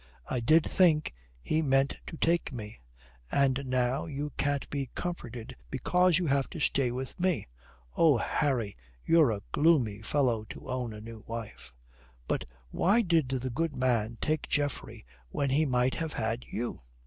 I did think he meant to take me." "And now you can't be comforted because you have to stay with me. Oh, Harry, you're a gloomy fellow to own a new wife. But why did the good man take Geoffrey when he might have had you?